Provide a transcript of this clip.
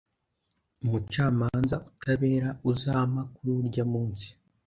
Umucamanza utabera azampa kuri urya munsi,